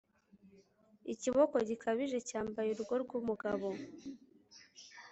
Ikiboko gikabije cyambaye urugo rwumugabo